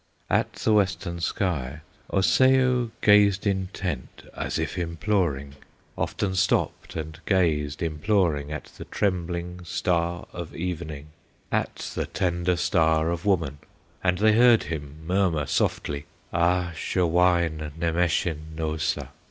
"At the western sky Osseo Gazed intent, as if imploring, Often stopped and gazed imploring At the trembling Star of Evening, At the tender Star of Woman; And they heard him murmur softly, 'Ah, showain nemeshin, Nosa!